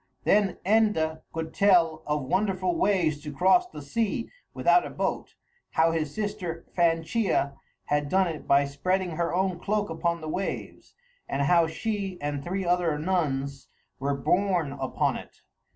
Then Enda could tell of wonderful ways to cross the sea without a boat, how his sister Fanchea had done it by spreading her own cloak upon the waves, and how she and three other nuns were borne upon it.